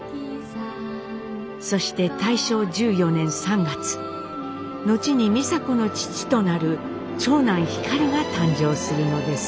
そして大正１４年３月後に美佐子の父となる長男皓が誕生するのです。